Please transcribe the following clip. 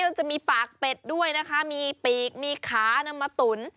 จะมีปากเป็ดด้วยนะคะมีปีกมีขานำมาตุ๋น